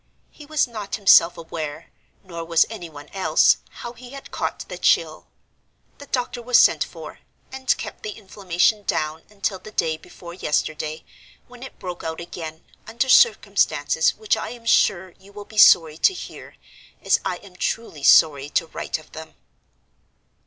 He was not himself aware, nor was any one else, how he had caught the chill. The doctor was sent for, and kept the inflammation down until the day before yesterday, when it broke out again, under circumstances which I am sure you will be sorry to hear, as I am truly sorry to write of them.